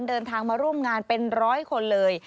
เดินทางมาร่วมงานเป็นร้อยคนเลย